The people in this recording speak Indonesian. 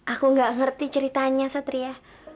aku gak ngerti ceritanya satria